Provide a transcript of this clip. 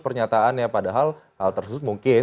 pernyataannya padahal hal tersebut mungkin